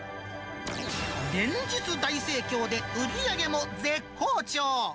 連日大盛況で、売り上げも絶好調。